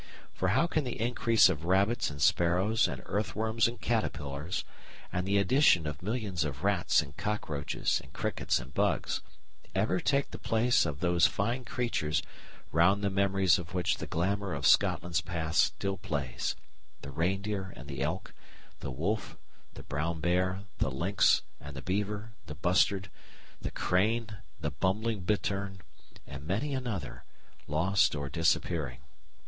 "For how can the increase of Rabbits and Sparrows and Earthworms and Caterpillars, and the addition of millions of Rats and Cochroaches and Crickets and Bugs, ever take the place of those fine creatures round the memories of which the glamour of Scotland's past still plays the Reindeer and the Elk, the Wolf, the Brown Bear, the Lynx, and the Beaver, the Bustard, the Crane, the Bumbling Bittern, and many another, lost or disappearing."